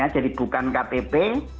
jadi bukan ktp